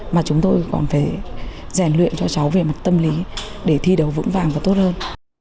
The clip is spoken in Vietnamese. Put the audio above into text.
mà chúng tôi còn phải rèn luyện cho cháu về mặt tâm lý để thi đấu vững vàng và tốt hơn